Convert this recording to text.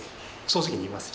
正直に言います。